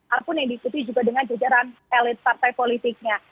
ataupun yang diikuti juga dengan jajaran elit partai politiknya